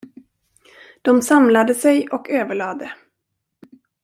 De samlade sig och överlade.